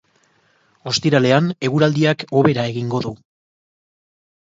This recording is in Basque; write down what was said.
Ostiralean eguraldiak hobera egingo du.